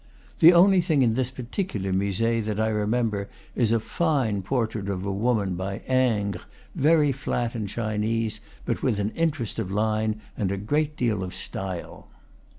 The only thing in this particular Musee that I remember is a fine portrait of a woman, by Ingres, very flat and Chinese, but with an interest of line and a great deal of style.